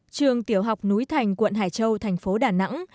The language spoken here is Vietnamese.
trường tiểu học núi thành quận hải châu thành phố đà nẵng